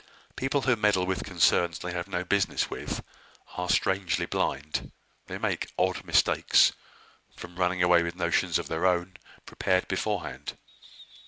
People who meddle with concerns they have no business with, are strangely blind, they make odd mistakes, from running away with notions of their own, prepared beforehand.